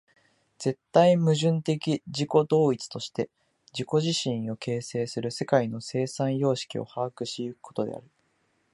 絶対矛盾的自己同一として自己自身を形成する世界の生産様式を把握し行くことである。